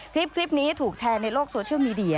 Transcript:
คลิปนี้ถูกแชร์ในโลกโซเชียลมีเดีย